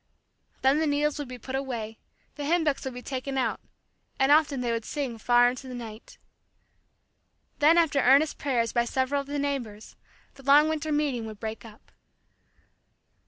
Then the needles would be put away, the hymn books would be taken out, and often they would sing far into the night. Then after earnest prayers by several of the neighbors, the long winter meeting would break up.